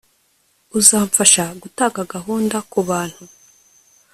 Uzamfasha gutanga gahunda kubantu